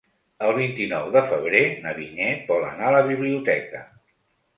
El vint-i-nou de febrer na Vinyet vol anar a la biblioteca.